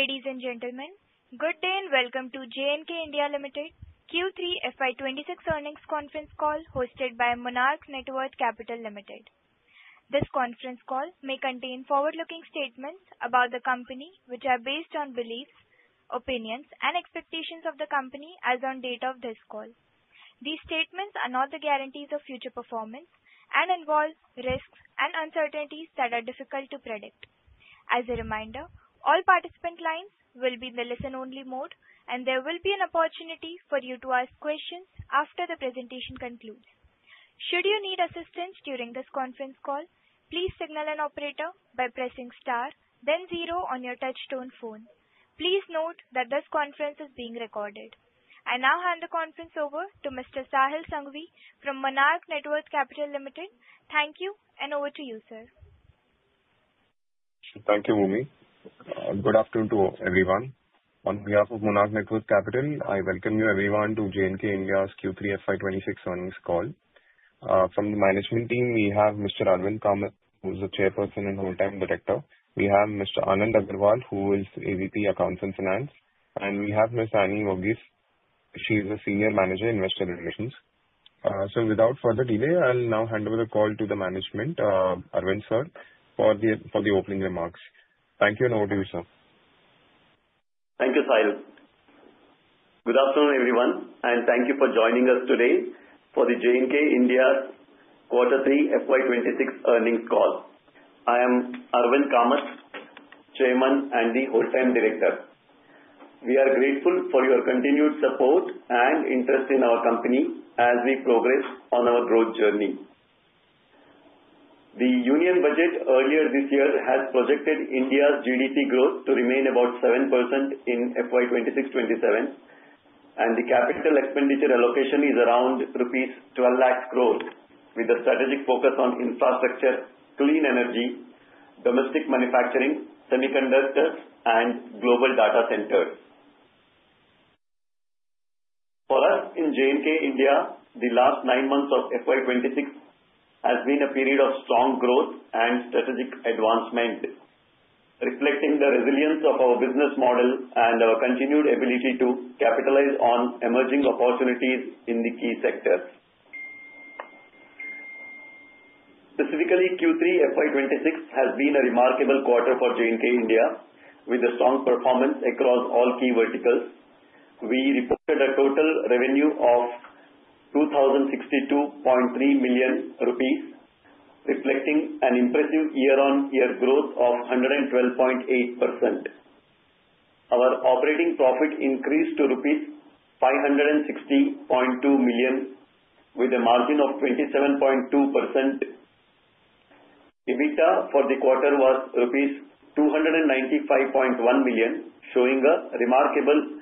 Ladies and gentlemen, good day and welcome to JNK India Limited Q3 FY 2026 earnings conference call hosted by Monarch Networth Capital Limited. This conference call may contain forward-looking statements about the company, which are based on beliefs, opinions, and expectations of the company as on date of this call. These statements are not the guarantees of future performance and involve risks and uncertainties that are difficult to predict. As a reminder, all participant lines will be in the listen-only mode, and there will be an opportunity for you to ask questions after the presentation concludes. Should you need assistance during this conference call, please signal an operator by pressing star then zero on your touchtone phone. Please note that this conference is being recorded. I now hand the conference over to Mr. Sahil Sanghvi from Monarch Networth Capital Limited. Thank you, and over to you, sir. Thank you, Bhumi. Good afternoon to everyone. On behalf of Monarch Networth Capital, I welcome you everyone to JNK India's Q3 FY 2026 earnings call. From the management team, we have Mr. Arvind Kamath, who's the Chairperson and Whole Time Director. We have Mr. Anand Agarwal, who is AVP, Accounts and Finance. We have Ms. Annie Varghese. She is a Senior Manager, Investor Relations. Without further delay, I'll now hand over the call to the management, Arvind, sir, for the opening remarks. Thank you, and over to you, sir. Thank you, Sahil. Good afternoon, everyone, and thank you for joining us today for the JNK India quarter three FY 2026 earnings call. I am Arvind Kamath, Chairperson and the Whole-Time Director. We are grateful for your continued support and interest in our company as we progress on our growth journey. The Union Budget earlier this year has projected India's GDP growth to remain about 7% in FY 2026-2027. The capital expenditure allocation is around rupees 12 lakh crore, with a strategic focus on infrastructure, clean energy, domestic manufacturing, semiconductors, and global data centers. For us in JNK India, the last nine months of FY 2026 has been a period of strong growth and strategic advancement, reflecting the resilience of our business model and our continued ability to capitalize on emerging opportunities in the key sectors. Specifically, Q3 FY 2026 has been a remarkable quarter for JNK India, with a strong performance across all key verticals. We reported a total revenue of 2,062.3 million rupees, reflecting an impressive year-on-year growth of 112.8%. Our operating profit increased to rupees 560.2 million with a margin of 27.2%. EBITDA for the quarter was rupees 295.1 million, showing a remarkable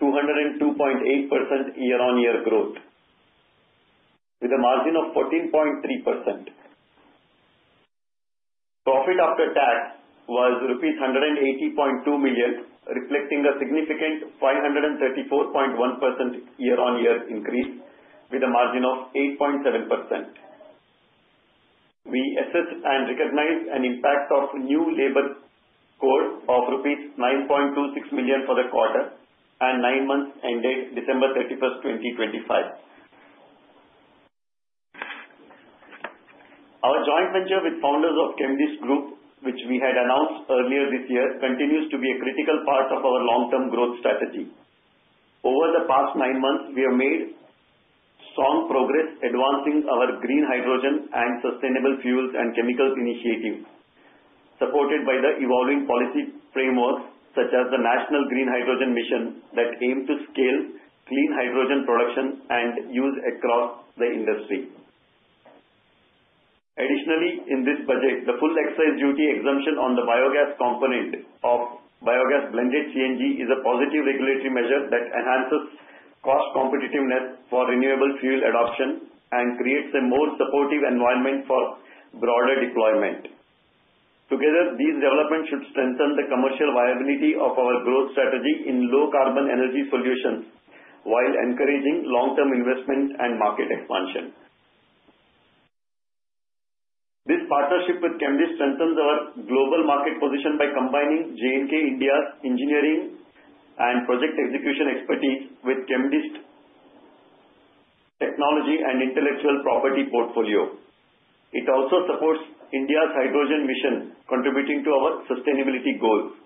202.8% year-on-year growth with a margin of 14.3%. Profit after tax was rupees 180.2 million, reflecting a significant 534.1% year-on-year increase with a margin of 8.7%. We assessed and recognized an impact of New Labour Codes of rupees 9.26 million for the quarter and nine months ended December 31st, 2025. Our joint venture with founders of The Chemyst Group, which we had announced earlier this year, continues to be a critical part of our long-term growth strategy. Over the past nine months, we have made strong progress advancing our green hydrogen and sustainable fuels and chemicals initiative, supported by the evolving policy frameworks such as the National Green Hydrogen Mission that aim to scale clean hydrogen production and use across the industry. Additionally, in this budget, the full excise duty exemption on the biogas component of biogas blended CNG is a positive regulatory measure that enhances cost competitiveness for renewable fuel adoption and creates a more supportive environment for broader deployment. Together, these developments should strengthen the commercial viability of our growth strategy in low carbon energy solutions while encouraging long-term investment and market expansion. This partnership with Chemyst strengthens our global market position by combining JNK India's engineering and project execution expertise with Chemyst technology and intellectual property portfolio. It also supports India's hydrogen mission, contributing to our sustainability goals.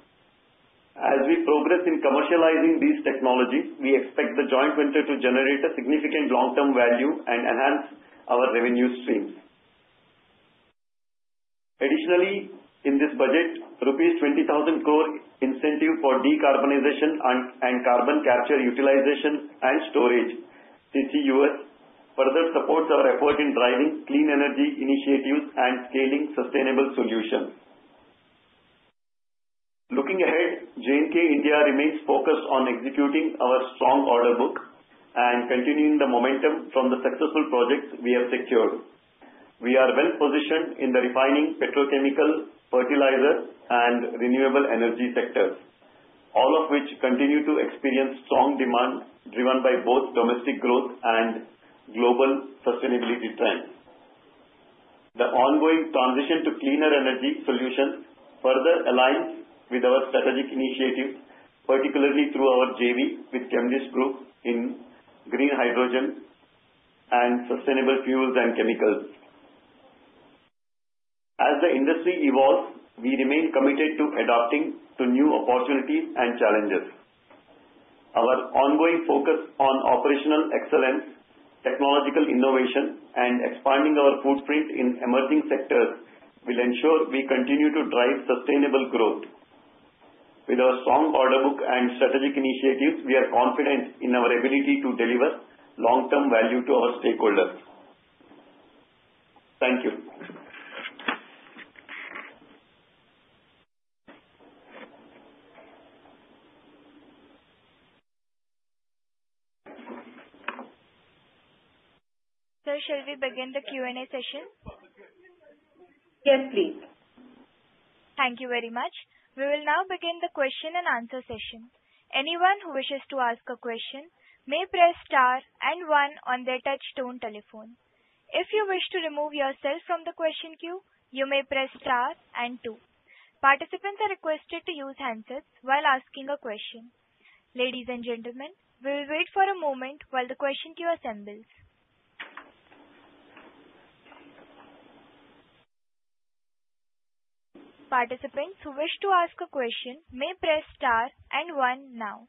As we progress in commercializing these technologies, we expect the joint venture to generate a significant long-term value and enhance our revenue streams. Additionally, in this budget, rupees 20,000 crore incentive for decarbonization and carbon capture utilization and storage, CCUS, further supports our effort in driving clean energy initiatives and scaling sustainable solutions. Looking ahead, JNK India remains focused on executing our strong order book and continuing the momentum from the successful projects we have secured. We are well-positioned in the refining petrochemical, fertilizer, and renewable energy sectors, all of which continue to experience strong demand driven by both domestic growth and global sustainability trends. The ongoing transition to cleaner energy solutions further aligns with our strategic initiatives, particularly through our JV with Chemyst Group in green hydrogen and sustainable fuels and chemicals. As the industry evolves, we remain committed to adapting to new opportunities and challenges. Our ongoing focus on operational excellence, technological innovation, and expanding our footprint in emerging sectors will ensure we continue to drive sustainable growth. With our strong order book and strategic initiatives, we are confident in our ability to deliver long-term value to our stakeholders. Thank you. Sir, shall we begin the Q&A session? Yes, please. Thank you very much. We will now begin the question and answer session. Anyone who wishes to ask a question may press star and one on their touch tone telephone. If you wish to remove yourself from the question queue, you may press star and two. Participants are requested to use handsets while asking a question. Ladies and gentlemen, we will wait for a moment while the question queue assembles. Participants who wish to ask a question may press star and one now.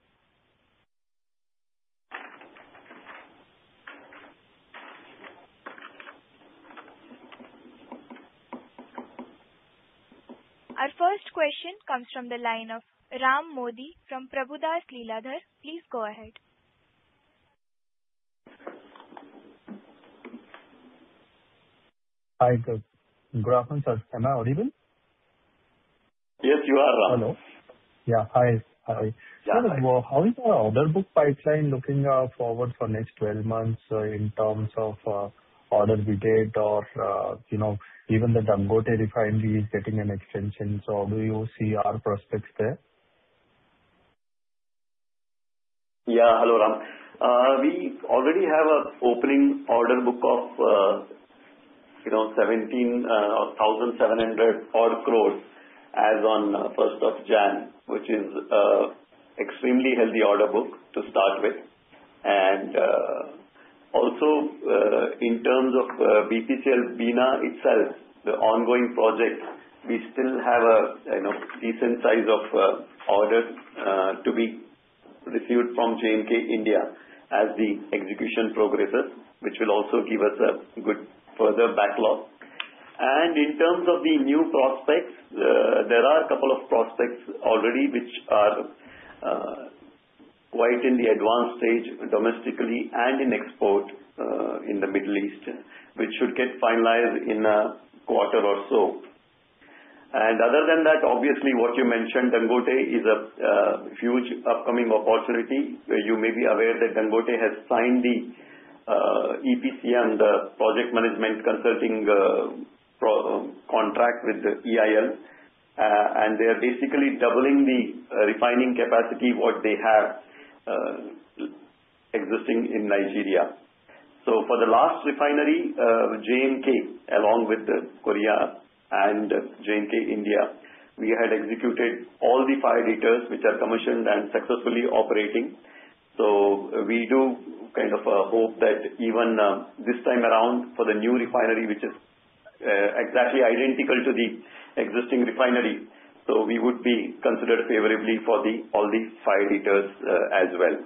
Our first question comes from the line of Ram Modi from Prabhudas Lilladher. Please go ahead. Hi, good. Greetings, sir. Am I audible? Yes, you are. Hello. Yeah. Hi. Yeah. How is your order book pipeline looking forward for next 12 months in terms of orders you get or even the Dangote Refinery is getting an extension, so do you see our prospects there? Yeah. Hello, Ram. We already have an opening order book of 17,700 crore as on first of January, which is extremely healthy order book to start with. Also, in terms of BPCL Bina itself, the ongoing projects, we still have a decent size of orders to be received from JNK India as the execution progresses, which will also give us a good further backlog. In terms of the new prospects, there are a couple of prospects already which are quite in the advanced stage domestically and in export in the Middle East, which should get finalized in a quarter or so. Other than that, obviously, what you mentioned, Dangote is a huge upcoming opportunity where you may be aware that Dangote has signed the EPC and project management consulting contract with EIL. They're basically doubling the refining capacity, what they have existing in Nigeria. For the last refinery, JNK, along with Korea and JNK India, we had executed all the fired heaters, which are commissioned and successfully operating. We do kind of hope that even this time around for the new refinery, which is exactly identical to the existing refinery, we would be considered favorably for all the fired heaters as well.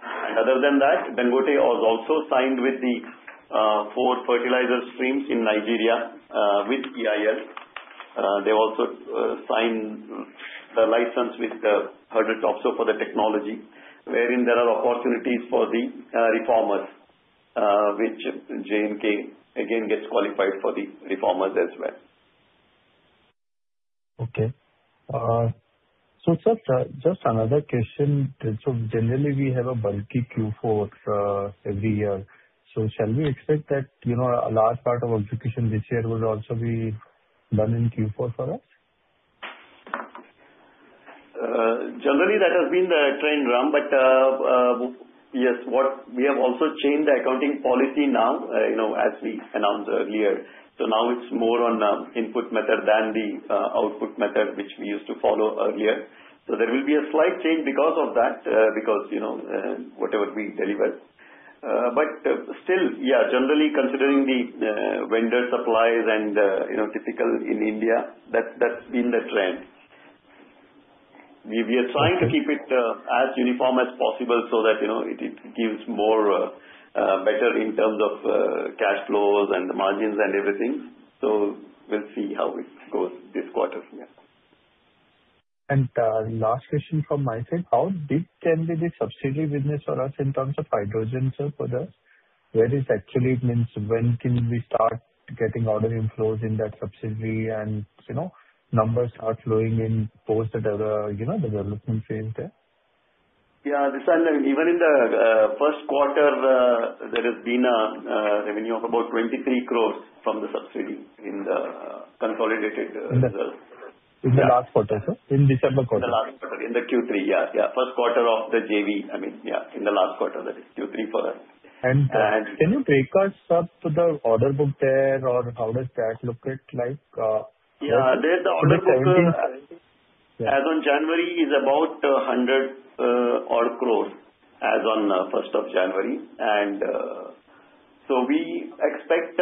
Other than that, Dangote has also signed with the four fertilizer streams in Nigeria, with EIL. They also signed the license with the project also for the technology, wherein there are opportunities for the reformers, which JNK again gets qualified for the reformers as well. Okay. Sir, just another question. Generally, we have a bulky Q4 every year. Shall we expect that a large part of execution this year will also be done in Q4 for us? That has been the trend, Ram. Yes, we have also changed the accounting policy now, as we announced earlier. Now it's more on input method than the output method, which we used to follow earlier. There will be a slight change because of that, because whatever we deliver. Still, yeah, generally, considering the vendor supplies and typical in India, that's been the trend. We are trying to keep it as uniform as possible that it gives more better in terms of cash flows and margins and everything. We'll see how it goes this quarter. Last question from my side. How big can be the subsidy business for us in terms of hydrogen, sir, for us? Where is actually it means when can we start getting order inflows in that subsidy and numbers start flowing in post the development phase there? Yeah, even in the first quarter, there has been a revenue of about 23 crores from the subsidy in the consolidated results. In the last quarter, sir. In December quarter. In the last quarter. In the Q3, yeah. First quarter of the JV, in the last quarter, that is Q3 for us. Can you break us up to the order book there or how does that look like? Yeah. The order book as on January is about 100 odd crore as on first of January. We expect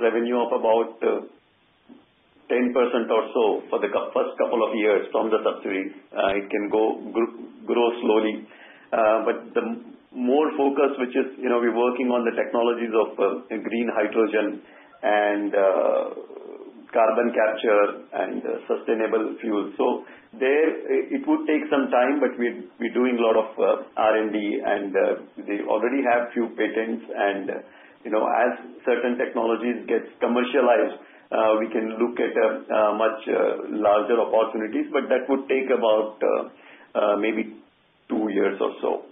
revenue of about 10% or so for the first couple of years from the subsidiary. It can grow slowly. The more focus, which is we're working on the technologies of green hydrogen and carbon capture and sustainable fuel. There, it would take some time, but we're doing a lot of R&D, and they already have few patents and as certain technologies get commercialized, we can look at much larger opportunities. That would take about maybe two years or so.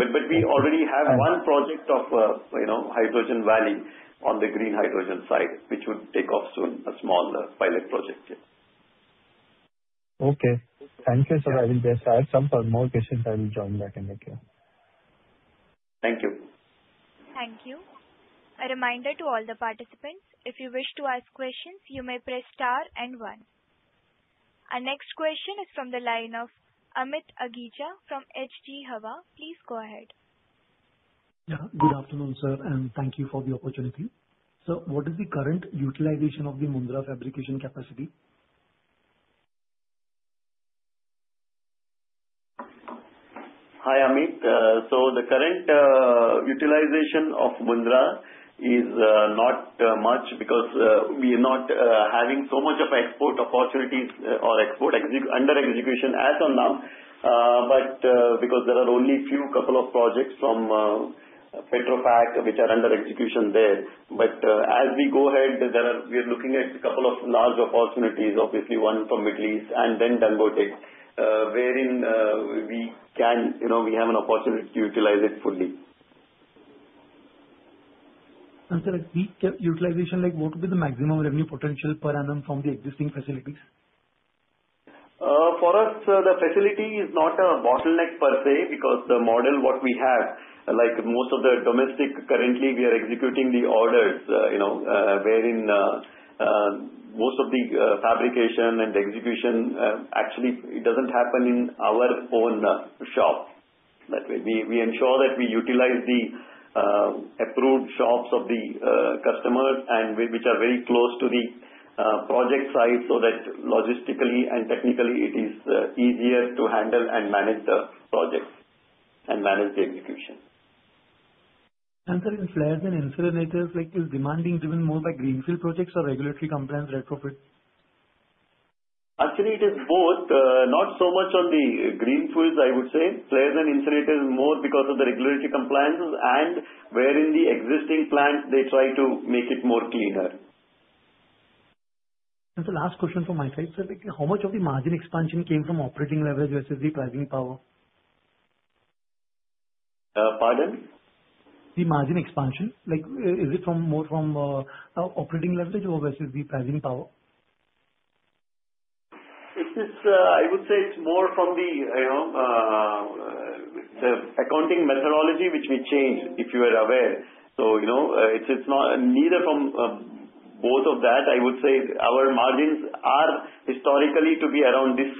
We already have one project of Hydrogen Valley on the green hydrogen side, which would take off soon, a small pilot project. Okay. Thank you, sir. I will press silent for more questions. I will join back in the queue. Thank you. Thank you. A reminder to all the participants, if you wish to ask questions, you may press star and one. Our next question is from the line of Amit Agicha from HG Hawa. Please go ahead. Good afternoon, sir, and thank you for the opportunity. Sir, what is the current utilization of the Mundra fabrication capacity? Hi, Amit. The current utilization of Mundra is not much because we are not having so much of export opportunities or export under execution as on now, because there are only few couple of projects from Petrofac which are under execution there. As we go ahead, we're looking at a couple of large opportunities, obviously one from Middle East and then Dangote, wherein we have an opportunity to utilize it fully. Sir, at peak utilization, what would be the maximum revenue potential per annum from the existing facilities? For us, the facility is not a bottleneck per se because the model what we have, like most of the domestic currently, we are executing the orders wherein most of the fabrication and execution, actually, it doesn't happen in our own shop. We ensure that we utilize the approved shops of the customers and which are very close to the project site so that logistically and technically it is easier to handle and manage the projects and manage the execution. Sir, in flares and incinerators, is demanding driven more by greenfield projects or regulatory compliance retrofit? Actually, it is both. Not so much on the greenfields, I would say. Flares and incinerators more because of the regulatory compliance and wherein the existing plant, they try to make it more cleaner. The last question from my side, sir. How much of the margin expansion came from operating leverage versus the pricing power? Pardon? The margin expansion, is it more from operating leverage or versus the pricing power? I would say it's more from the accounting methodology, which we changed, if you are aware. It's neither from both of that. I would say our margins are historically to be around this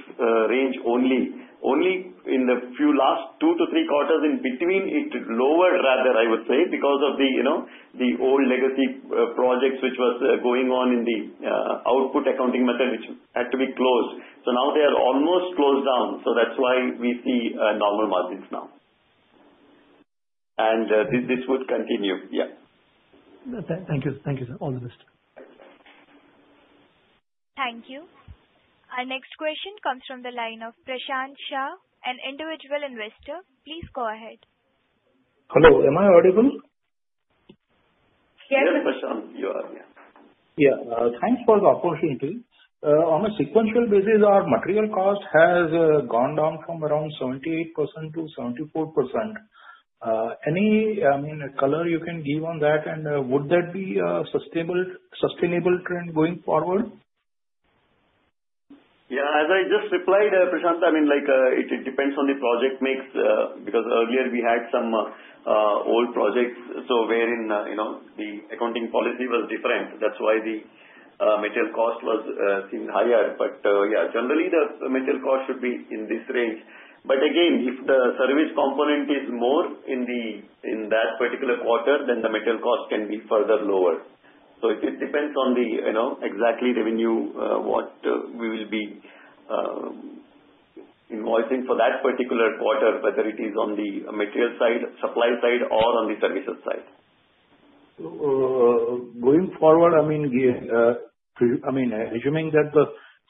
range only. Only in the few last two to three quarters in between, it lowered rather, I would say, because of the old legacy projects which was going on in the output accounting method which had to be closed. Now they are almost closed down, so that's why we see normal margins now. This would continue. Yeah. Thank you, sir. All the best. Thank you. Our next question comes from the line of Prashant Shah, an individual investor. Please go ahead. Hello, am I audible? Yes. Yes, Prashant, you are clear. Yeah. Thanks for the opportunity. On a sequential basis, our material cost has gone down from around 78%-74%. Any color you can give on that, and would that be a sustainable trend going forward? Yeah. As I just replied, Prashant, it depends on the project mix, because earlier we had some old projects, so wherein the accounting policy was different. That's why the material cost was seen higher. Yeah, generally the material cost should be in this range. Again, if the service component is more in that particular quarter, then the material cost can be further lowered. It depends on the exactly revenue, what we will be invoicing for that particular quarter, whether it is on the material side, supply side, or on the services side. Going forward, assuming that the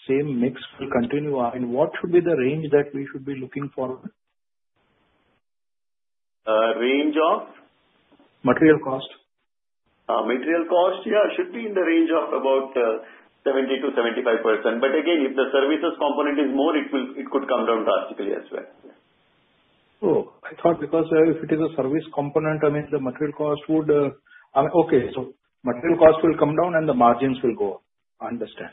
same mix will continue, what should be the range that we should be looking for? Range of? Material cost. Material cost? Yeah, it should be in the range of about 70%-75%. Again, if the services component is more, it could come down drastically as well. Oh, I thought because if it is a service component, the material cost would Okay. Material cost will come down and the margins will go up. Understand.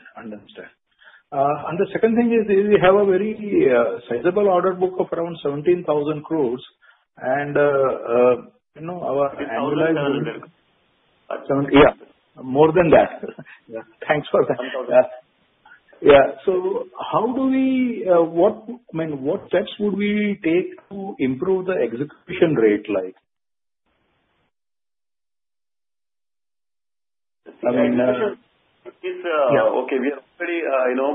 The second thing is, we have a very sizable order book of around 17,000 crores and our annualized- 1,700 crore. Yeah, more than that. Yeah. Thanks for that. Yeah. What steps would we take to improve the execution rate like? I mean- Yeah. Okay.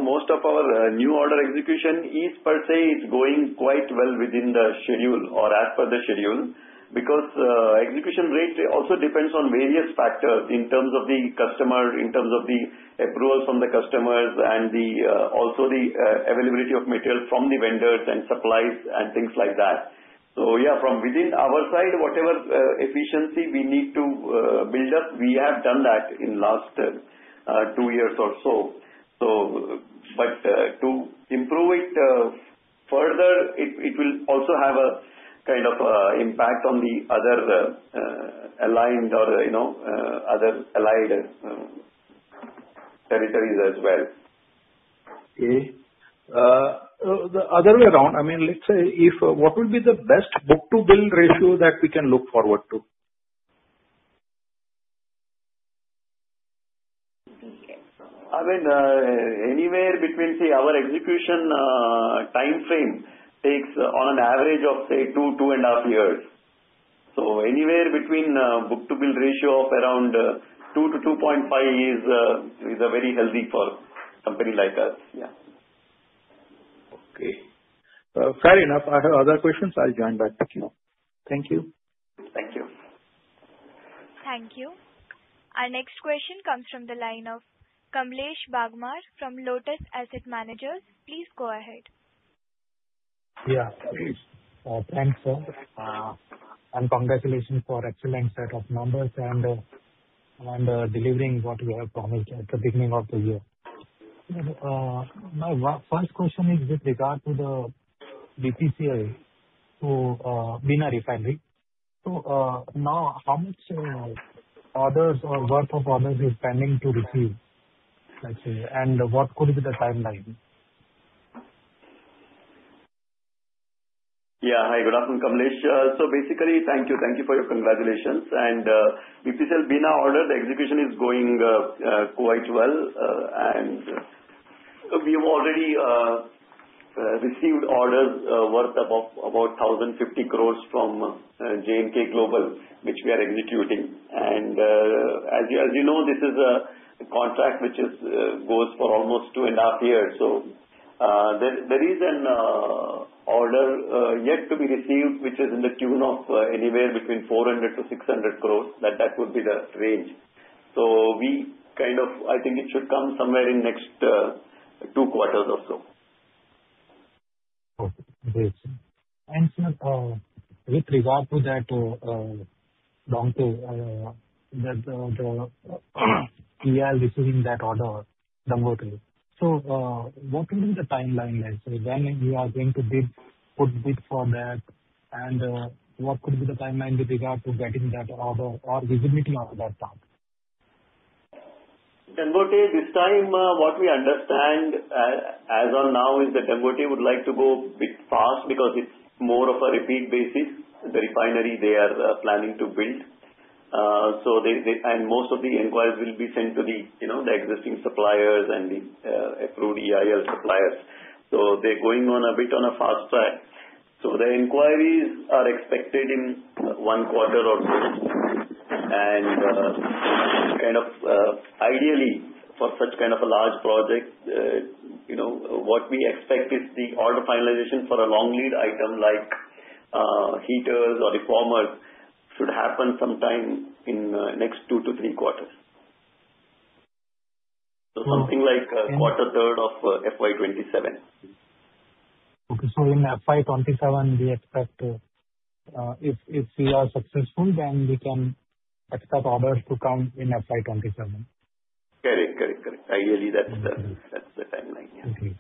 Most of our new order execution is per se, it is going quite well within the schedule or as per the schedule, because execution rates also depends on various factors in terms of the customer, in terms of the approvals from the customers and also the availability of material from the vendors and suppliers and things like that. Yeah, from within our side, whatever efficiency we need to build up, we have done that in last two years or so. To improve it further, it will also have a kind of impact on the other aligned or other allied territories as well. Okay. The other way around, let's say, what would be the best book-to-bill ratio that we can look forward to? I mean, anywhere between, see, our execution timeframe takes on an average of, say, two and a half years. Anywhere between book-to-bill ratio of around two-2.5 is very healthy for a company like us. Yeah. Okay. Fair enough. I have other questions. I'll join back. Thank you. Thank you. Thank you. Our next question comes from the line of Kamlesh Bagmar from Lotus Asset Managers. Please go ahead. Yeah. Kamlesh. Thanks, sir, and congratulations for excellent set of numbers and delivering what you have promised at the beginning of the year. My first question is with regard to the BPCL, so Bina Refinery. Now how much orders or worth of orders is pending to receive, let's say, and what could be the timeline? Hi, good afternoon, Kamlesh. Thank you for your congratulations. BPCL Bina order, the execution is going quite well. We have already received orders worth about 1,050 crore from JNK Global, which we are executing. As you know, this is a contract which goes for almost two and a half years. There is an order yet to be received, which is in the tune of anywhere between 400 crore-600 crore. That would be the range. I think it should come somewhere in next two quarters or so. Okay, great. Sir, with regard to that, down to that we are receiving that order, Dangote. What will be the timeline then? When you are going to put bid for that and what could be the timeline with regard to getting that order or visibility on that front? Dangote, this time, what we understand as on now is that Dangote would like to go bit fast because it's more of a repeat basis, the refinery they are planning to build. Most of the inquiries will be sent to the existing suppliers and the approved EIL suppliers. They're going on a bit on a fast track. The inquiries are expected in one quarter or so. Kind of ideally, for such kind of a large project, what we expect is the order finalization for a long lead item like heaters or reformers should happen sometime in next two to three quarters. Something like quarter third of FY 2027. Okay. In FY 2027, we expect if we are successful, then we can expect orders to come in FY 2027? Correct. Ideally, that's the timeline, yeah. Okay.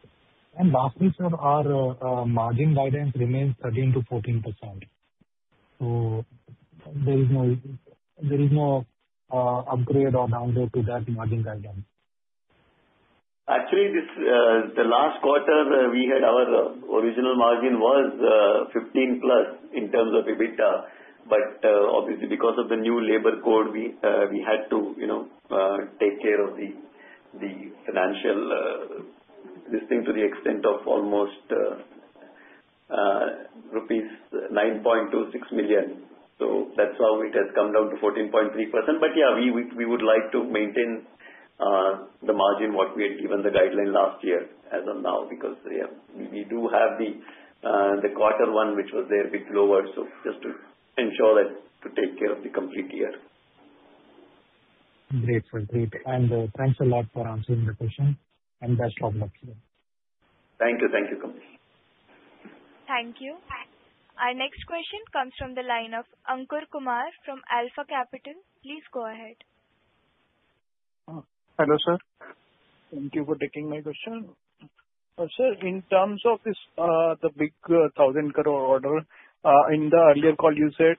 Lastly, sir, our margin guidance remains 13%-14%. There is no upgrade or downgrade to that margin guidance. Actually, the last quarter we had our original margin was 15 plus in terms of EBITDA. Obviously because of the New Labour Codes, we had to take care of the financial listing to the extent of almost rupees 9.26 million. That's why it has come down to 14.3%. Yeah, we would like to maintain the margin, what we had given the guideline last year as on now, because we do have the quarter one which was there bit lower. Just to ensure that to take care of the complete year. Great, sir. Great. Thanks a lot for answering the question, and best of luck to you. Thank you. Thank you. Our next question comes from the line of Ankur Kumar from Alpha Capital. Please go ahead. Hello, sir. Thank you for taking my question. Sir, in terms of the big 1,000 crore order, in the earlier call you said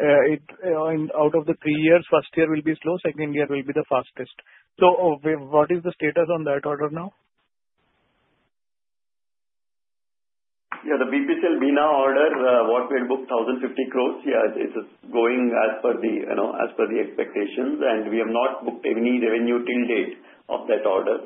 out of the three years, first year will be slow, second year will be the fastest. What is the status on that order now? Yeah. The BPCL Bina order, what we had booked 1,050 crore. Yeah. This is going as per the expectations. We have not booked any revenue till date of that order.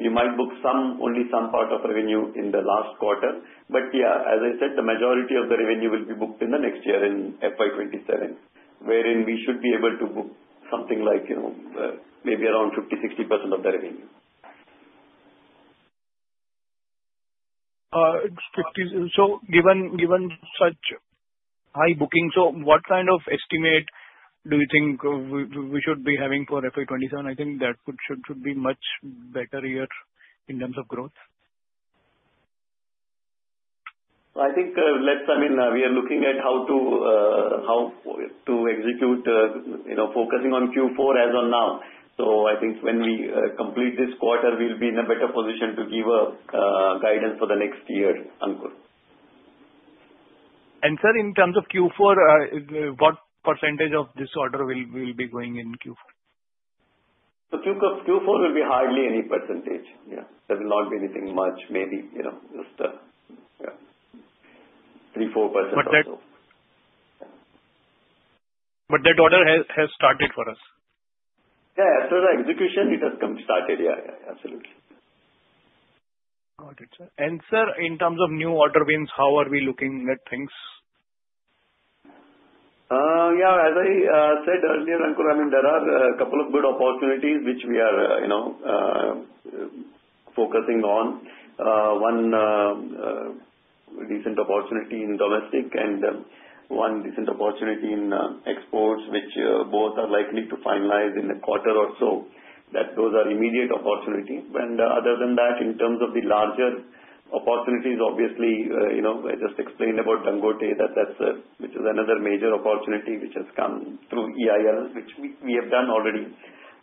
We might book only some part of revenue in the last quarter. Yeah, as I said, the majority of the revenue will be booked in the next year in FY 2027, wherein we should be able to book something like maybe around 50%, 60% of the revenue. Given such high bookings, so what kind of estimate do you think we should be having for FY 2027? I think that should be much better year in terms of growth. I think we are looking at how to execute, focusing on Q4 as on now. I think when we complete this quarter, we'll be in a better position to give a guidance for the next year, Ankur. Sir, in terms of Q4, what % of this order will be going in Q4? Q4 will be hardly any percentage. Yeah. There'll not be anything much. Maybe just, yeah, 3%, 4% or so. That order has started for us? Yeah. As far as execution, it has started. Yeah, absolutely. Got it, sir. Sir, in terms of new order wins, how are we looking at things? Yeah. As I said earlier, Ankur, there are a couple of good opportunities which we are focusing on. One decent opportunity in domestic and one decent opportunity in exports, which both are likely to finalize in a quarter or so. Those are immediate opportunities. Other than that, in terms of the larger opportunities, obviously, I just explained about Dangote, which is another major opportunity which has come through EIL, which we have done already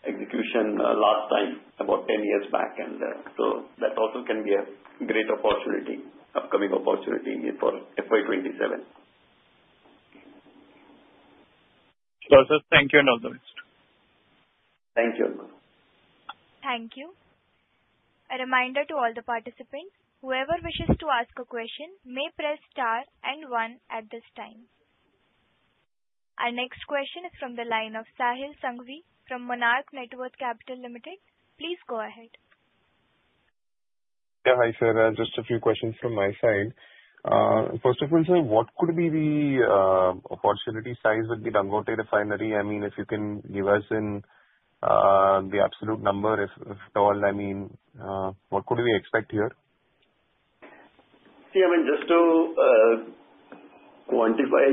execution last time, about 10 years back. That also can be a great upcoming opportunity for FY 2027. Sir, thank you and all the best. Thank you, Ankur. Thank you. Our next question is from the line of Sahil Sanghvi from Monarch Networth Capital Limited. Please go ahead. Yeah. Hi, sir. Just a few questions from my side. First of all, sir, what could be the opportunity size with the Dangote Refinery? If you can give us in the absolute number, if at all. What could we expect here? Just to quantify,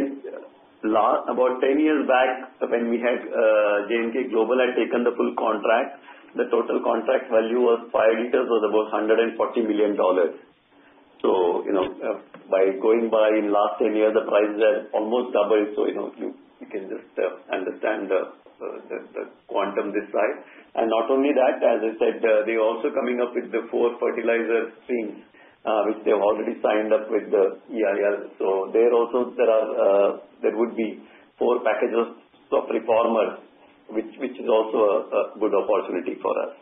about 10 years back when JNK Global had taken the full contract, the total contract value was, five heaters was about $140 million. By going by in last 10 years, the price has almost doubled. You can just understand the quantum this side. Not only that, as I said, they're also coming up with the four fertilizer streams, which they've already signed up with the EIL. There also there would be four packages of reformers, which is also a good opportunity for us.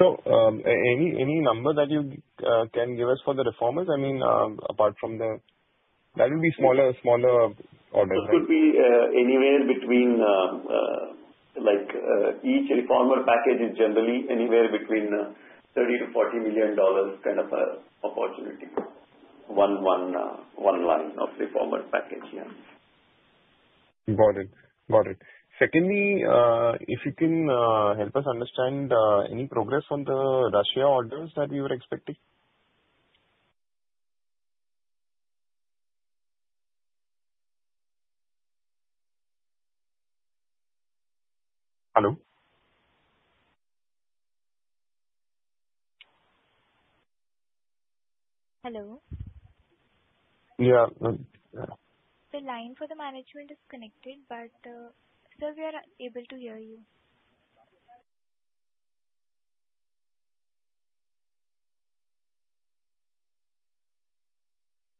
Any number that you can give us for the reformers? That will be smaller orders, right? Each reformer package is generally anywhere between $30 million to $40 million kind of an opportunity. One line of reformer package. Yeah. Got it. Secondly, if you can help us understand any progress on the Russia orders that you were expecting. Hello? Hello. Yeah. The line for the management is connected, but sir, we are unable to hear you.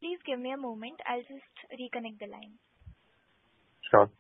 Please give me a moment. I'll just reconnect the line. Sure.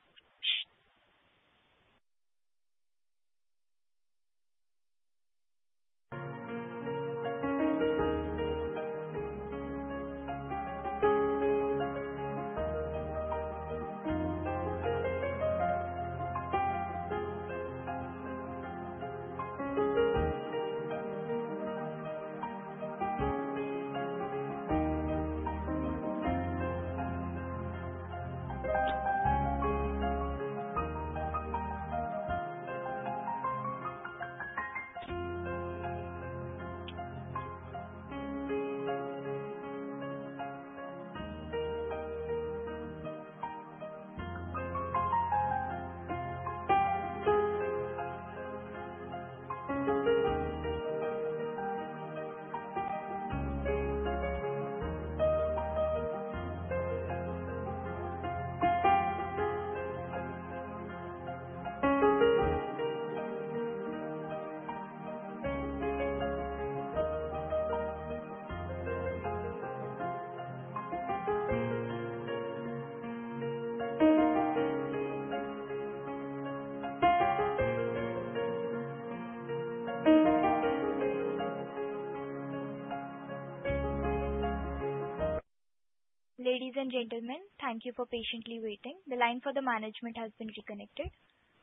Ladies and gentlemen, thank you for patiently waiting. The line for the management has been reconnected.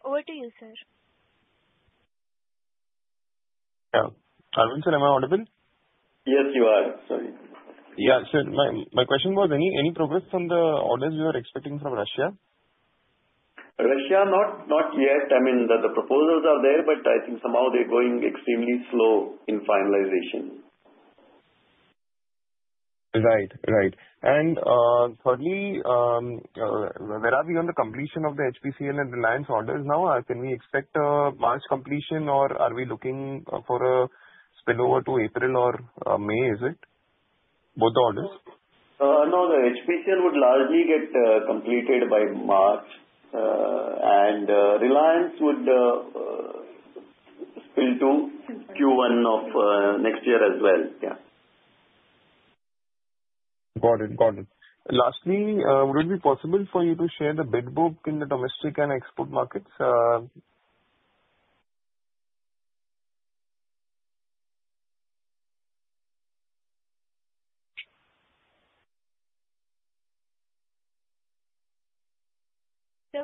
Over to you, sir. Yeah. Arvind, sir, am I audible? Yes, you are. Sorry. Yeah. Sir, my question was, any progress on the orders you are expecting from Russia? Russia, not yet. I mean, the proposals are there, but I think somehow they're going extremely slow in finalization. Right. Thirdly, where are we on the completion of the HPCL and Reliance orders now? Can we expect a March completion, or are we looking for a spill over to April or May, is it? Both the orders. No, the HPCL would largely get completed by March, and Reliance would spill to Q1 of next year as well. Yeah. Got it. Lastly, would it be possible for you to share the bid book in the domestic and export markets? Sir,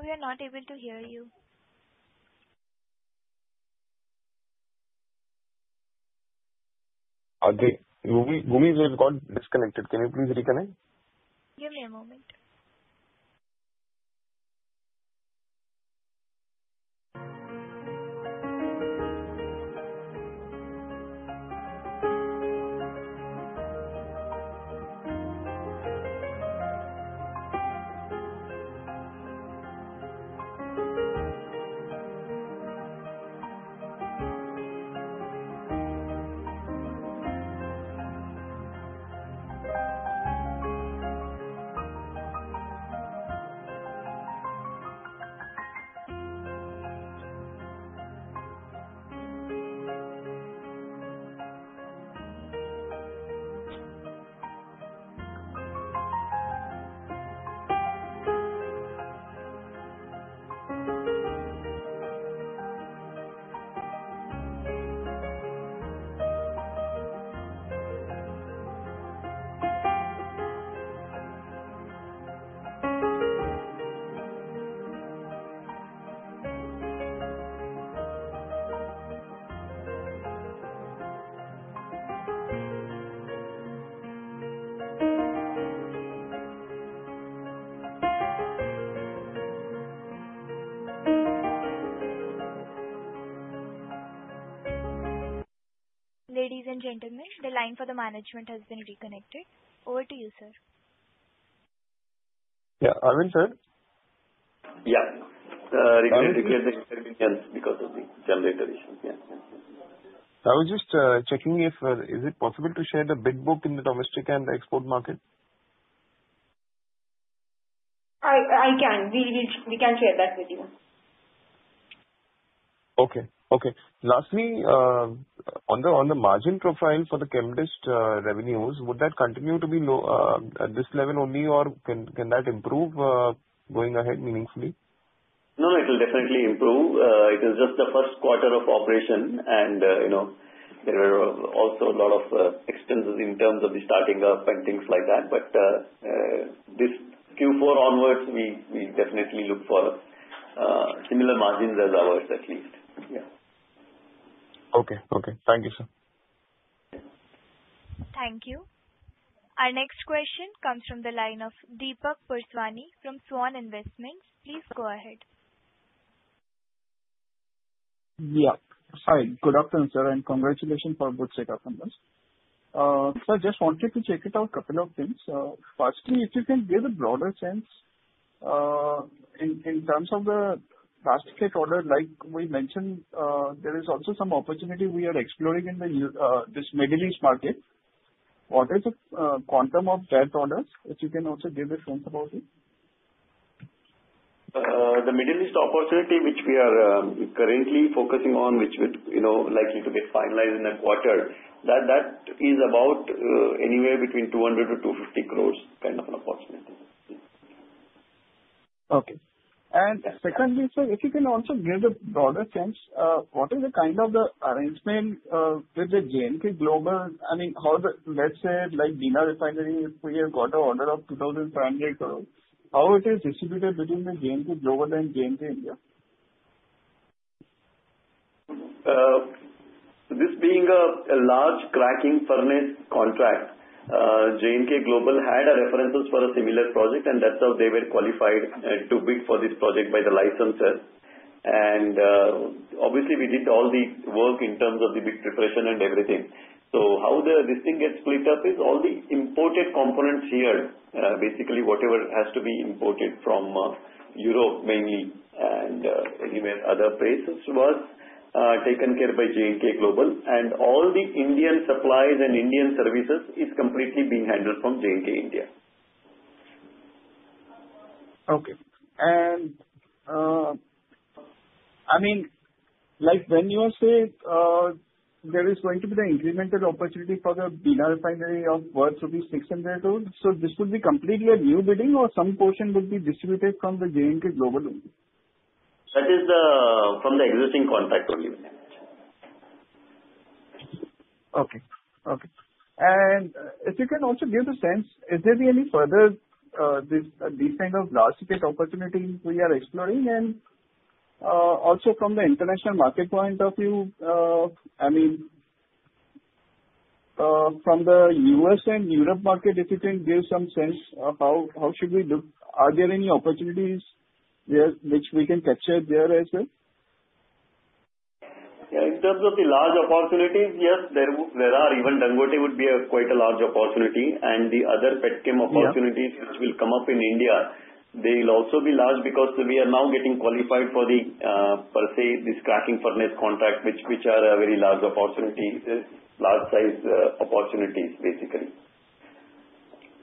we are not able to hear you. Bhumi, we've got disconnected. Can you please reconnect? Give me a moment. Ladies and gentlemen, the line for the management has been reconnected. Over to you, sir. Yeah. Arvind, sir. Yeah. Because of the generator issue. Yeah. I was just checking if it is possible to share the bid book in the domestic and the export market? I can. We can share that with you. Okay. Lastly, on the margin profile for the Chemyst revenues, would that continue to be low at this level only, or can that improve going ahead meaningfully? No, it will definitely improve. It is just the first quarter of operation, and there are also a lot of expenses in terms of the starting up and things like that. This Q4 onwards, we definitely look for similar margins as ours, at least. Yeah. Okay. Thank you, sir. Thank you. Our next question comes from the line of Deepak Purswani from Swan Investments. Please go ahead. Yeah. Hi, good afternoon, sir, and congratulations on good set of numbers. Sir, just wanted to check it out a couple of things. Firstly, if you can give a broader sense, in terms of the plasticate order, like we mentioned, there is also some opportunity we are exploring in this Middle East market. What is the quantum of that orders, if you can also give a sense about it? The Middle East opportunity which we are currently focusing on, which likely to get finalized in that quarter, that is about anywhere between 200 crore-250 crore, kind of an opportunity. Okay. Secondly, sir, if you can also give the broader sense, what is the kind of the arrangement with JNK Global? I mean, let's say like Bina Refinery, if we have got an order of 2,500 crores. How it is distributed between JNK Global and JNK India? This being a large cracking furnace contract, JNK Global had a reference for a similar project, and that's how they were qualified to bid for this project by the licensors. Obviously, we did all the work in terms of the bid preparation and everything. How this thing gets split up is all the imported components here, basically whatever has to be imported from Europe mainly and even other places was taken care of by JNK Global. All the Indian supplies and Indian services is completely being handled from JNK India. Okay. When you say there is going to be the incremental opportunity for the Bina Refinery of worth rupees 600 crores, this would be completely a new bidding or some portion would be distributed from the JNK Global? That is from the existing contract only. Okay. If you can also give the sense, is there any further these kind of large gate opportunities we are exploring? Also from the international market point of view, from the U.S. and Europe market, if you can give some sense of how should we look. Are there any opportunities there which we can capture there as well? Yeah. In terms of the large opportunities, yes, there are. Even Dangote would be a quite a large opportunity and the other petchem opportunities which will come up in India, they will also be large because we are now getting qualified for the, per se, this cracking furnace contract, which are a very large opportunities, large size opportunities basically.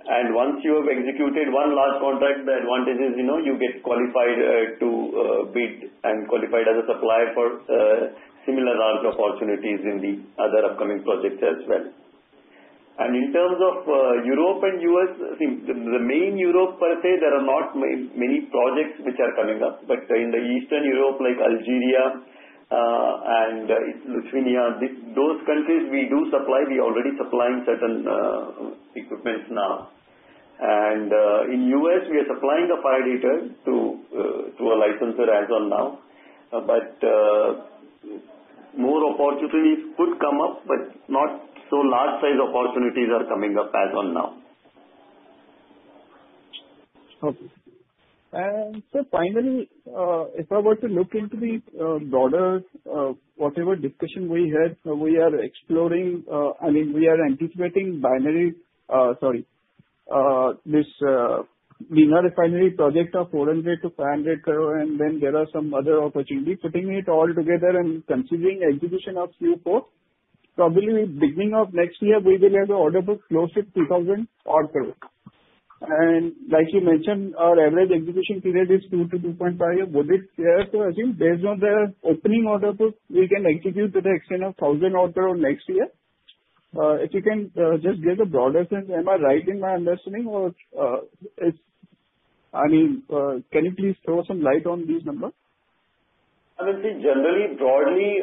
Once you have executed one large contract, the advantage is you get qualified to bid and qualified as a supplier for similar large opportunities in the other upcoming projects as well. In terms of Europe and U.S., I think the main Europe per se, there are not many projects which are coming up. In the Eastern Europe like Algeria and Lithuania, those countries we do supply, we already supplying certain equipments now. In U.S., we are supplying the fired heater to a licensor as on now. More opportunities could come up, but not so large size opportunities are coming up as on now. Finally, if I were to look into the broader whatever discussion we had, we are exploring, we are anticipating Bina Refinery, sorry, this Bina Refinery project of 400 crore-500 crore and then there are some other opportunities. Putting it all together and considering execution of Q4, probably beginning of next year we will have the order book close at 3,000 odd crore. Like you mentioned, our average execution period is 2-2.5 years. I think based on the opening order book, we can execute to the extent of 1,000 order next year. If you can just give a broader sense, am I right in my understanding or can you please throw some light on these numbers?because I would say generally broadly,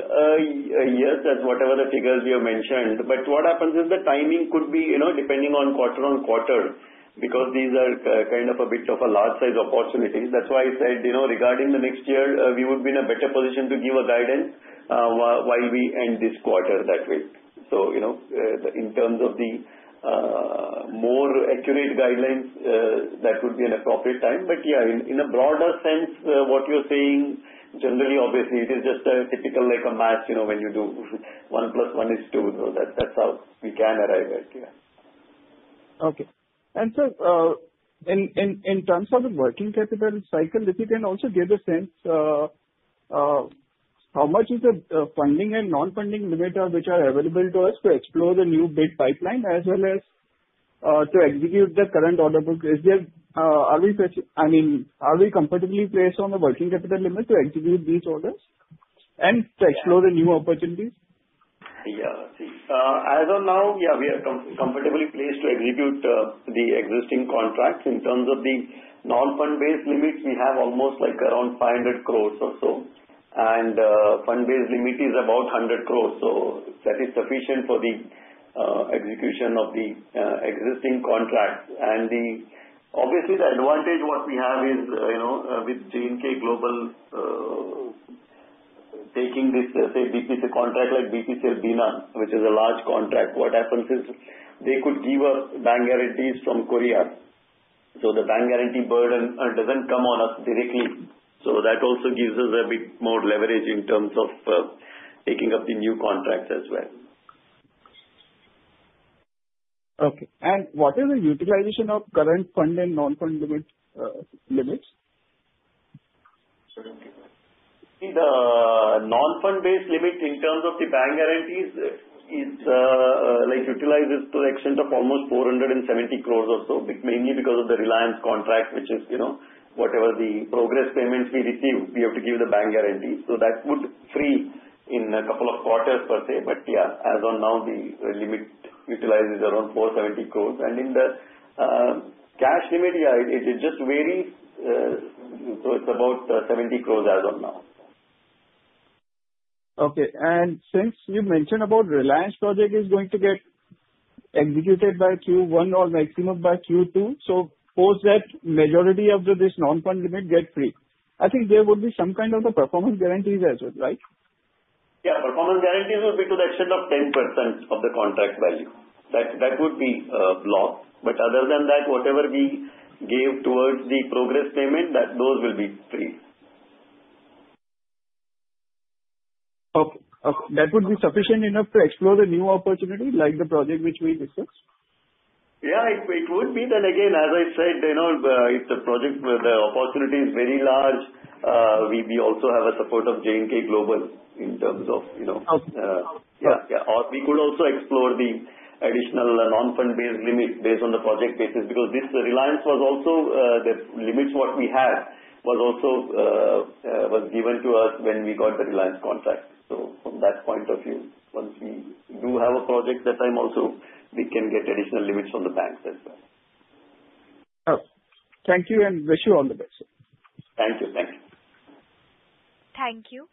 yes, that's whatever the figures you have mentioned. What happens is the timing could be depending on quarter on quarter these are kind of a bit of a large size opportunities. That's why I said regarding the next year, we would be in a better position to give a guidance while we end this quarter that way. In terms of the more accurate guidelines that would be an appropriate time. Yeah, in a broader sense, what you're saying generally obviously it is just a typical like a math when you do one plus one is two. That's how we can arrive at, yeah. Okay. In terms of the working capital cycle, if you can also give the sense how much is the funding and non-funding limit which are available to us to explore the new big pipeline as well as to execute the current order book. Are we comfortably placed on the working capital limit to execute these orders and to explore the new opportunities? As of now, yeah, we are comfortably placed to execute the existing contracts. In terms of the non-fund-based limits, we have almost around 500 crore or so. Fund-based limit is about 100 crore. That is sufficient for the execution of the existing contracts. Obviously the advantage what we have is with JNK Global taking this, say, BPCL contract like BPCL Bina, which is a large contract, what happens is they could give us bank guarantees from Korea. The bank guarantee burden doesn't come on us directly. That also gives us a bit more leverage in terms of taking up the new contracts as well. Okay. What is the utilization of current fund and non-fund limits? Sorry. The non-fund-based limit in terms of the bank guarantees is like utilized to the extent of almost 470 crores or so, mainly because of the Reliance contract, which is whatever the progress payments we receive, we have to give the bank guarantee. That would free in a couple of quarters per se. Yeah, as on now the limit utilized is around 470 crores. In the cash limit, it just varies. It's about 70 crores as of now. Okay. Since you mentioned about Reliance project is going to get executed by Q1 or maximum by Q2, post that majority of this non-fund limit get free. I think there would be some kind of a performance guarantees as well, right? Yeah. Performance guarantees will be to the extent of 10% of the contract value. That would be blocked, but other than that whatever we gave towards the progress payment, those will be free. Okay. That would be sufficient enough to explore the new opportunity like the project which we discussed. Yeah, it would be. Again, as I said, if the project opportunity is very large, we also have a support of JNK Global. We could also explore the additional non-fund-based limit based on the project basis, because this Reliance was also the limits what we had, was given to us when we got the Reliance contract. From that point of view, once we do have a project that time also, we can get additional limits from the banks as well. Okay. Thank you, and wish you all the best, sir. Thank you. Thank you.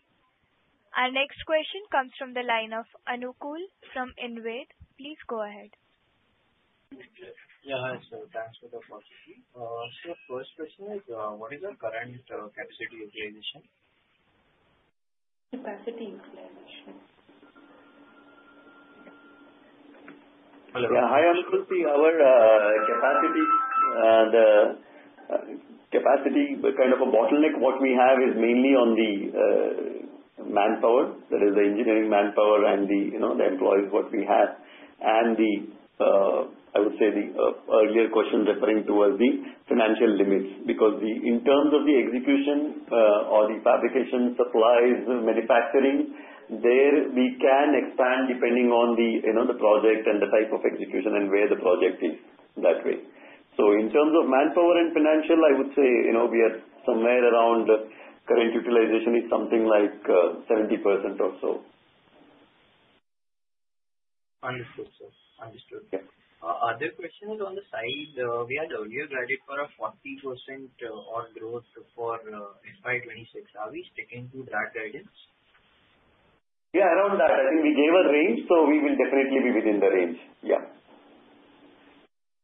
Our next question comes from the line of Anukool from InvIT. Please go ahead. Yeah. Hi, sir. Thanks for the opportunity. Sir, first question is, what is your current capacity utilization? Capacity utilization. Hi, Anukool, our capacity, the capacity kind of a bottleneck, what we have is mainly on the manpower. That is the engineering manpower and the employees what we have and I would say, the earlier question referring towards the financial limits, because in terms of the execution or the fabrication, supplies, manufacturing, there we can expand depending on the project and the type of execution and where the project is, that way. In terms of manpower and financial, I would say, we are somewhere around current utilization is something like 70% or so. Understood, sir. Other question is on the side, we had earlier guided for a 40% odd growth for FY 2026. Are we sticking to that guidance? Yeah, around that. I think we gave a range. We will definitely be within the range. Yeah.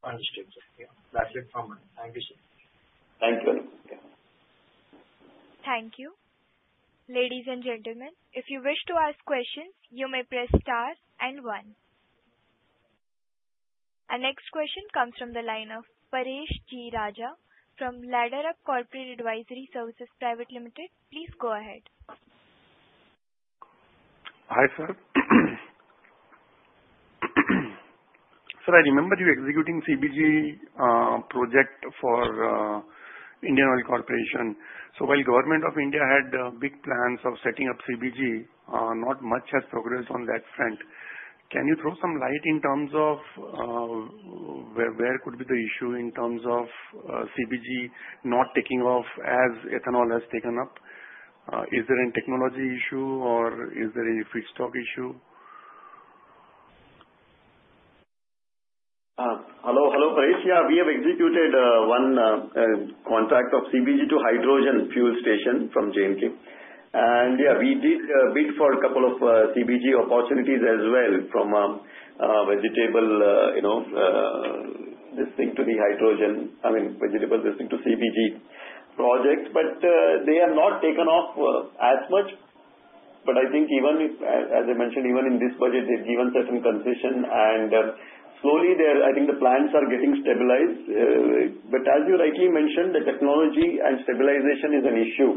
Understood, sir. Yeah. That's it from me. Thank you, sir. Thanks, Anukool. Yeah. Thank you. Ladies and gentlemen, if you wish to ask questions, you may press star and one. Our next question comes from the line of Paresh G. Raja from Ladderup Corporate Advisory Services Private Limited. Please go ahead. Hi, sir. Sir, I remember you executing CBG project for Indian Oil Corporation. While Government of India had big plans of setting up CBG, not much has progressed on that front. Can you throw some light in terms of where could be the issue in terms of CBG not taking off as ethanol has taken up? Is there any technology issue or is there any feedstock issue? Hello, Paresh. Yeah, we have executed one contract of CBG to hydrogen fuel station from JNK. Yeah, we did bid for a couple of CBG opportunities as well from a vegetable listing to the hydrogen, I mean, vegetable listing to CBG projects. They have not taken off as much. I think even if, as I mentioned, even in this budget, they've given certain concession, and slowly I think the plants are getting stabilized. As you rightly mentioned, the technology and stabilization is an issue.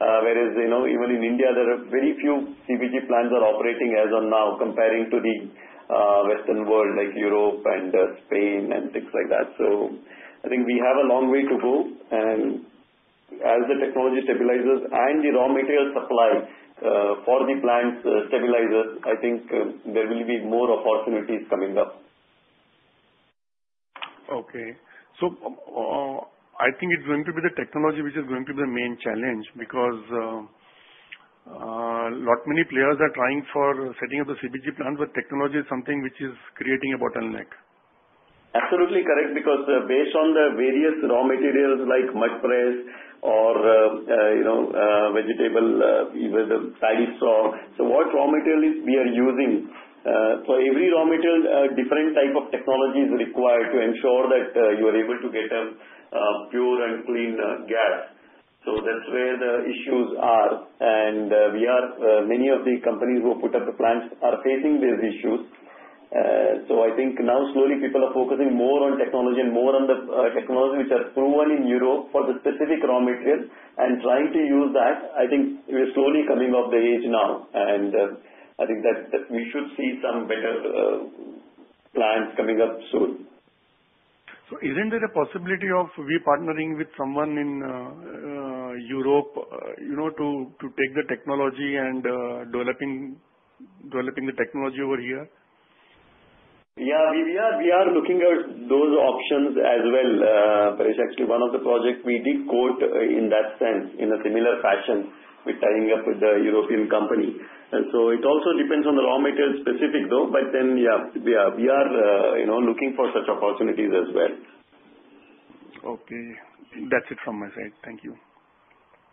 Whereas, even in India, there are very few CBG plants are operating as on now comparing to the Western world, like Europe and Spain and things like that. I think we have a long way to go, and as the technology stabilizes and the raw material supply for the plants stabilizes, I think there will be more opportunities coming up. Okay. I think it's going to be the technology which is going to be the main challenge because lot many players are trying for setting up the CBG plant, but technology is something which is creating a bottleneck. Absolutely correct, because based on the various raw materials like mud press or vegetable, even the silos. What raw materials we are using. Every raw material, different type of technology is required to ensure that you are able to get a pure and clean gas. That's where the issues are. Many of the companies who put up the plants are facing these issues. I think now slowly people are focusing more on technology and more on the technology which has proven in Europe for the specific raw material and trying to use that. I think we are slowly coming of the age now, and I think that we should see some better plans coming up soon. Isn't there a possibility of we partnering with someone in Europe to take the technology and developing the technology over here? Yeah, we are looking at those options as well. Paresh, actually one of the project we did quote in that sense, in a similar fashion with tying up with the European company. It also depends on the raw material specific, though, but then, yeah, we are looking for such opportunities as well. Okay. That's it from my side. Thank you.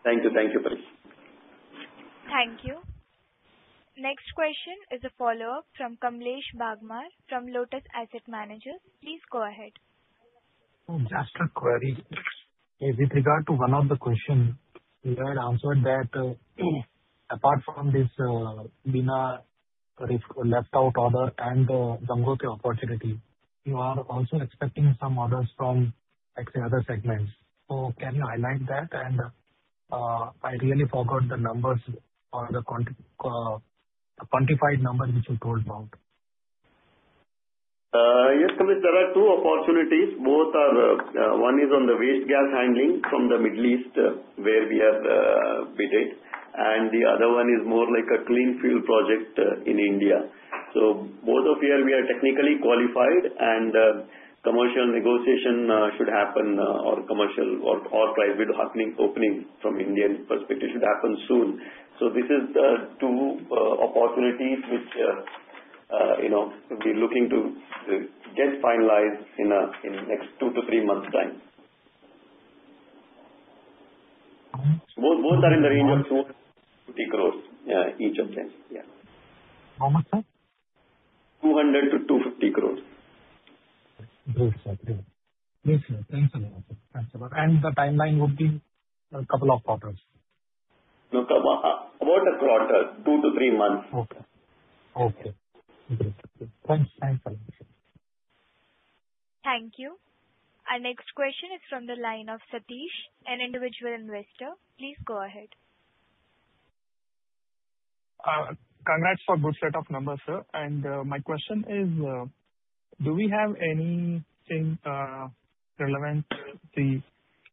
Thank you, Paresh. Thank you. Next question is a follow-up from Kamlesh Bagmar from Lotus Asset Managers. Please go ahead. Just a query. With regard to one of the question you had answered that apart from this Bina left out order and Dangote opportunity, you are also expecting some orders from, let's say, other segments. Can you highlight that? I really forgot the numbers on the contract, a quantified number which you told about. Yes, Kamlesh Bagmar. There are two opportunities. One is on the waste gas handling from the Middle East, where we have bidded, and the other one is more like a clean fuel project in India. Both of here we are technically qualified and commercial negotiation should happen, or commercial or private opening from Indian perspective should happen soon. This is the two opportunities which we'll be looking to get finalized in next two to three months' time. Both are in the range of 200 crore to 250 crore, each of them. Yeah. How much, sir? 200 crores-250 crores. Great, sir. Thank you so much. The timeline would be a couple of quarters? About a quarter, two to three months. Okay. Great. Thanks. Thank you. Our next question is from the line of Satish, an individual investor. Please go ahead. Congrats for good set of numbers, sir. My question is, do we have anything relevant the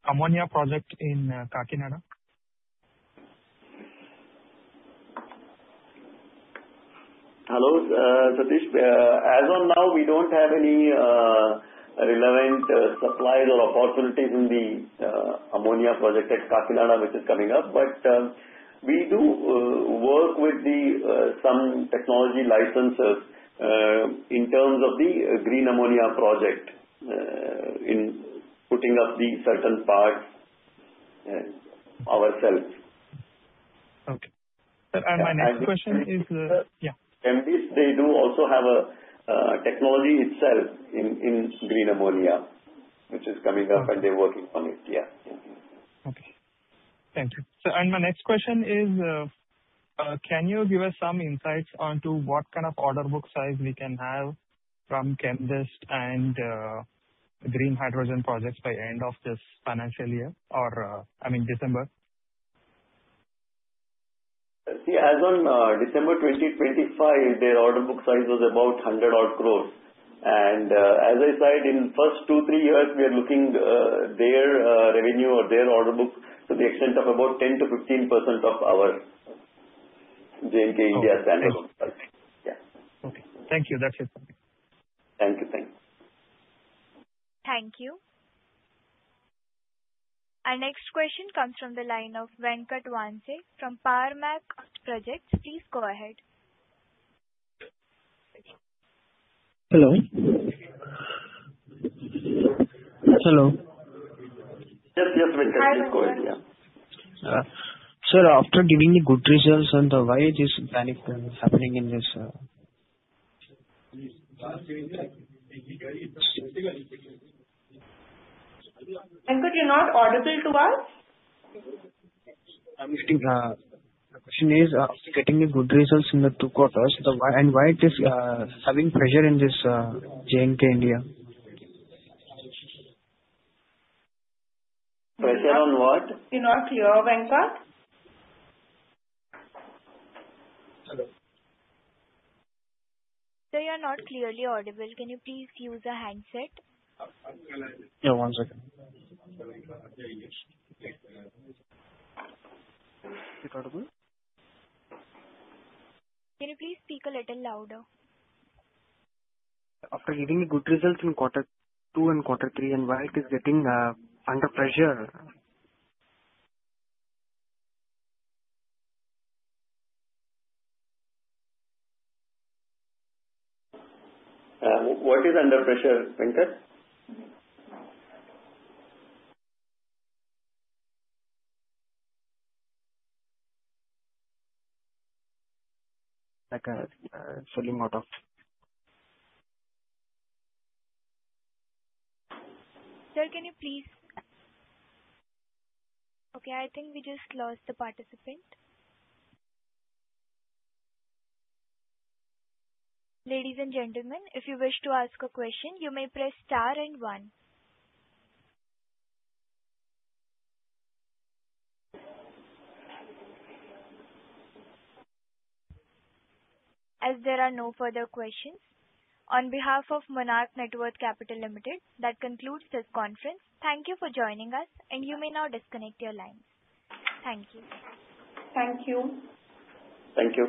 ammonia project in Kakinada? Hello, Satish. As of now, we don't have any relevant suppliers or opportunities in the ammonia project at Kakinada, which is coming up. We do work with some technology licensors in terms of the green ammonia project, in putting up the certain parts ourselves. Okay. This, they do also have a technology itself in green ammonia, which is coming up and they're working on it. Yeah. Okay. Thank you. My next question is, can you give us some insights onto what kind of order book size we can have from Chemyst and green hydrogen projects by end of this financial year? I mean, December? See, as on December 2025, their order book size was about 100 odd crores. As I said, in first two, three years, we are looking their revenue or their order book to the extent of about 10% to 15% of our JNK India standard. Okay. Thank you. That's it. Thank you. Thank you. Our next question comes from the line of Venkat Wanze from Power Mech Projects. Please go ahead. Hello? Hello. Yes, Venkat. Please go ahead. Sir, after giving the good results, then why this panic happening in this? Venkat, you're not audible to us. The question is, after getting the good results in the two quarters, why it is having pressure in this JNK India? Pressure on what? You're not clear, Venkat. Hello. Sir, you're not clearly audible. Can you please use a handset? Yeah, one second. Is it audible? Can you please speak a little louder? After giving the good results in quarter two and quarter three, and why it is getting under pressure? What is under pressure, Venkat? Like, selling out of. Sir, can you please Okay, I think we just lost the participant. Ladies and gentlemen, if you wish to ask a question, you may press star and one. There are no further questions, on behalf of Monarch Networth Capital Limited, that concludes this conference. Thank you for joining us, and you may now disconnect your line. Thank you. Thank you. Thank you.